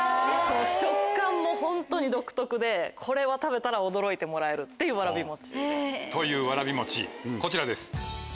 食感もホントに独特でこれは食べたら驚いてもらえるっていうわらび餅です。というわらび餅こちらです。